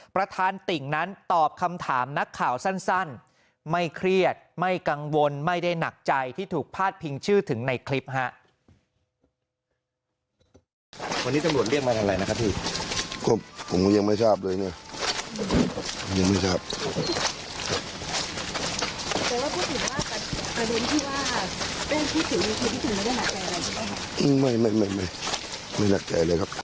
ประธานติ่งนั้นตอบคำถามนักข่าวสั้นไม่เครียดไม่กังวลไม่ได้หนักใจที่ถูกพาดพิงชื่อถึงในคลิปฮะ